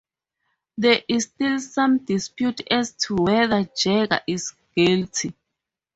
There is still some dispute as to whether Jagger is guilty.